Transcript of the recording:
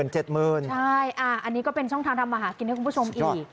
ใช่อันนี้ก็เป็นช่องทางทำมาหากินให้คุณผู้ชมอีก